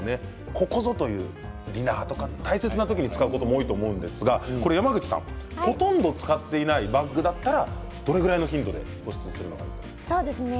ここぞというディナーとか大切な時に使うと思うんですが山口さん、ほとんど使っていないバッグだったらどのぐらいの頻度で保湿するのがいいと思いますか。